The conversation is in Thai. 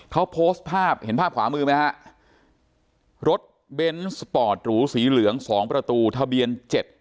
เขาโพสต์ภาพเห็นภาพขวามือไหมฮะรถเบนส์สปอร์ตหรูสีเหลืองสองประตูทะเบียนเจ็ด